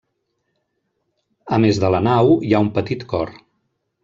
A més de la nau, hi ha un petit cor.